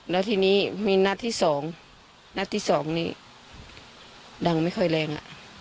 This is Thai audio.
แล้วทีนี้มีนัดที่๒นี้ดังไม่ค่อยแรง